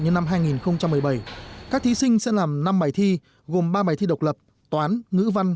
như năm hai nghìn một mươi bảy các thí sinh sẽ làm năm bài thi gồm ba bài thi độc lập toán ngữ văn